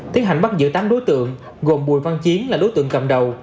tiến hành bắt giữ tám đối tượng gồm bùi văn chiến là đối tượng cầm đầu